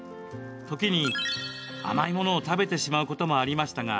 時に甘いものを食べてしまうこともありましたが